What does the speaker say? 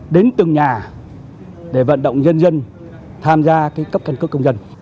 đến từng nhà để vận động nhân dân tham gia cấp căn cước công dân